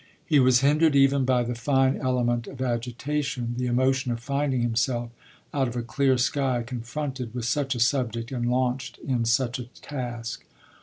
He was hindered even by the fine element of agitation, the emotion of finding himself, out of a clear sky, confronted with such a subject and launched in such a task.